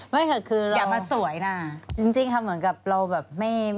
ไม่ค่ะคือเราจริงค่ะเหมือนกับเราแบบอย่ามาสวยนะ